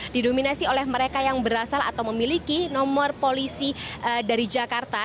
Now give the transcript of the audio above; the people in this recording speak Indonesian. didominasi oleh mereka yang berasal atau memiliki nomor polisi dari jakarta